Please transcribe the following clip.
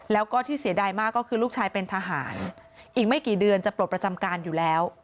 แล้วก็ที่เสียดายมากก็คือลูกชายเป็นทหารอีกไม่กี่เดือนจะปลดประจำการอยู่แล้ว